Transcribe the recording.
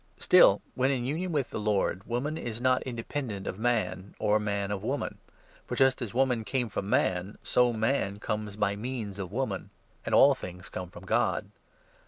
Still, when in union with the Lord, woman is not n independent of man, or man of woman ; for just as woman 12 came from man, so man comes by means of woman ; and all things come from God.